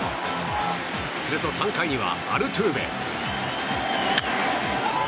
すると３回には、アルトゥーベ！